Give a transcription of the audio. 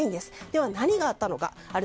では、何があったのか。